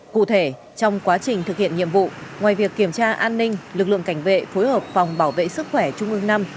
cụ thể trong quá trình thực hiện nhiệm vụ ngoài việc kiểm tra an ninh lực lượng cảnh vệ phối hợp phòng bảo vệ sức khỏe trung ương năm